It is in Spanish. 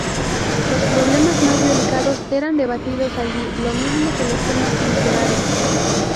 Los problemas más delicados eran debatidos allí, lo mismo que los temas literarios.